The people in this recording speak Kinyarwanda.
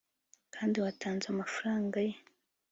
kandi watanze amafaranga ye